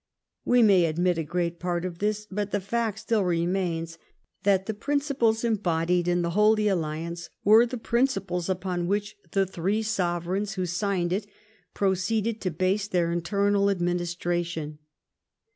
We may admit a great part of this, but the fact still remains that the principles embodied in the Holy Alliance were the principles upon which the three sovereigns who signed it proceeded to base their internal administration.